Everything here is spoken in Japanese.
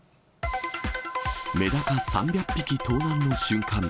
メダカ３００匹、盗難の瞬間。